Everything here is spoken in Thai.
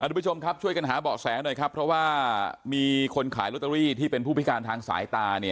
สวัสดีคุณผู้ชมครับช่วยกันหาบอกแสหน่อยครับเพราะว่ามีคนขายร็อเตอรี่ที่เป็นผู้พิการทางสายตา